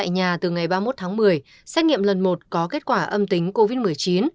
bệnh nhân thực hiện cách ly tại nhà từ ngày ba mươi một tháng một mươi xét nghiệm lần một có kết quả âm tính covid một mươi chín